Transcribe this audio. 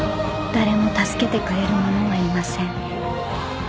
［誰も助けてくれる者はいません］